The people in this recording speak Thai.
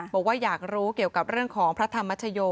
บอกว่าอยากรู้เกี่ยวกับเรื่องของพระธรรมชโย